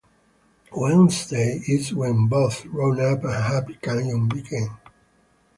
Wednesday is when both Round-Up and Happy Canyon begin.